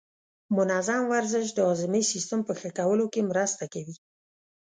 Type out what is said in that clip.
منظم ورزش د هاضمې سیستم په ښه کولو کې مرسته کوي.